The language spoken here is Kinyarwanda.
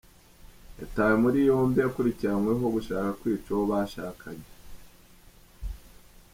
Yatawe muri yombi akurikiranyweho gushaka kwica uwo bashakanye